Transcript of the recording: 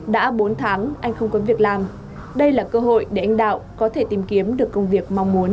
đã bốn tháng anh không có việc làm đây là cơ hội để anh đạo có thể tìm kiếm được công việc mong muốn